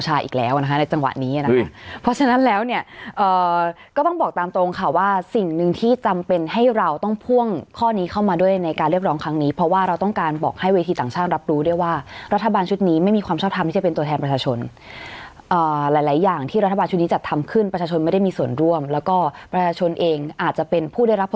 จากกลางตรงค่ะว่าสิ่งหนึ่งที่จำเป็นให้เราต้องพ่วงข้อนี้เข้ามาด้วยในการเรียบร้องครั้งนี้เพราะว่าเราต้องการบอกให้เวทีต่างชาติรับรู้ด้วยว่ารัฐบาลชุดนี้ไม่มีความชอบทำที่จะเป็นตัวแทนประชาชนอ่าหลายหลายอย่างที่รัฐบาลชุดนี้จัดทำขึ้นประชาชนไม่ได้มีส่วนร่วมแล้วก็ประชาชนเองอา